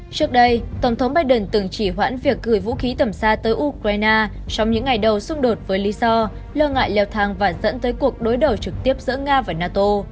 trước đây tổng thống biden từng chỉ hoãn việc gửi vũ khí tầm xa tới ukraine trong những ngày đầu xung đột với lý do lo ngại leo thang và dẫn tới cuộc đối đầu trực tiếp giữa nga và nato